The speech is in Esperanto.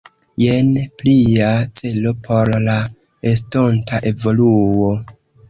Jen plia celo por la estonta evoluo!